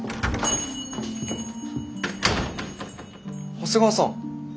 長谷川さん。